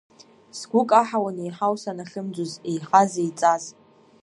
Сгәы каҳауан еиҳау санахьымӡоз, еиҳаз, еиҵаз…